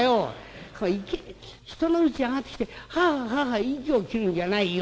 人のうち上がってきてはあはあはあはあ息を切るんじゃないよ。